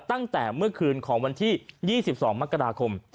ตั้งแต่เมื่อคืนของวันที่๒๒มกราคม